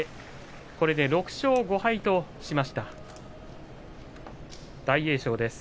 これで６勝５敗としました大栄翔です。